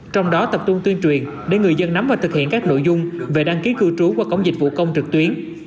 trong đó tập trung tuyên truyền để người dân nắm và thực hiện các nội dung về đăng ký cư trú qua cổng dịch vụ công trực tuyến